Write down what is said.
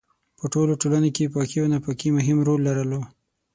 په ټولو ټولنو کې پاکي او ناپاکي مهم رول لرلو.